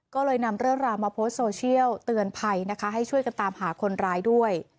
ก็เลยนำเรื่องราวมาโพสต์โซเชียลเตือนภัยนะคะให้ช่วยกันตามหาคนร้ายด้วย